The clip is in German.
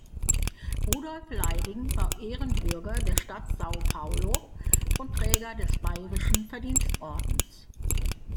Rudolf Leiding war Ehrenbürger der Stadt São Paulo und Träger des Bayerischen Verdienstordens.